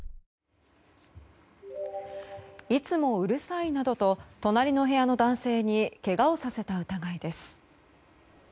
いつもうるさいなどと隣の部屋の男性にけがをさせた疑いです。